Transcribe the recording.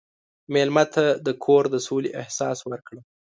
مېلمه ته د کور د سولې احساس ورکړه.